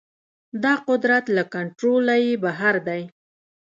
دا قدرت له کنټروله يې بهر دی.